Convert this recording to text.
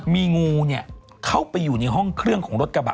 มีงูเข้าไปอยู่ในห้องเครื่องของรถกระบะ